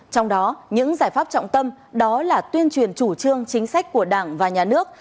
trong đó những giải pháp trọng tâm đó là tuyên truyền chủ trương chính sách của đảng và nhà nước